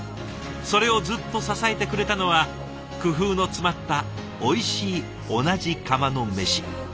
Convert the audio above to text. それをずっと支えてくれたのは工夫の詰まったおいしい同じ釜のメシ。